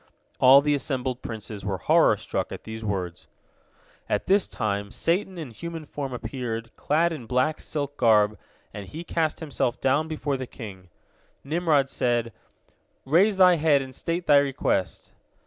All the assembled princes were horror struck at these words. At this time Satan in human form appeared, clad in black silk garb, and he cast himself down before the king. Nimrod said, "Raise thy head and state thy request."